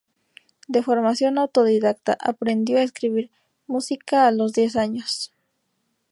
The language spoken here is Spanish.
De formación autodidacta, aprendió a escribir música a los diez años.